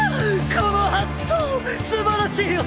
この発想すばらしいよ